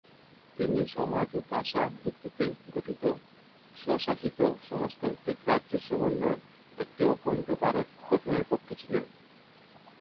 তিনি সমাজ ও ভাষার ভিত্তিতে গঠিত স্বশাসিত সমাজতান্ত্রিক রাজ্যের সমন্বয়ে একটি অখণ্ড ভারত গঠনের পক্ষে ছিলেন।